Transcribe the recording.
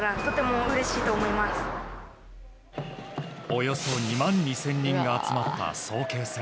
およそ２万２０００人が集まった早慶戦。